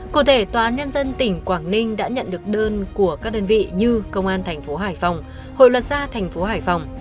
cụ thể tòa án nhân dân tỉnh quảng ninh đã nhận được đơn của các đơn vị như công an thành phố hải phòng hội luật gia thành phố hải phòng